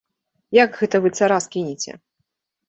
Як гэта вы цара скінеце?!